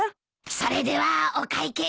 それではお会計ですが。